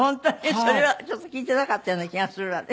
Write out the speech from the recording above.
それは聞いてなかったような気がするわね。